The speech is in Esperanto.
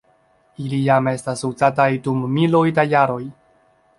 Ili jam estas uzataj dum miloj da jaroj.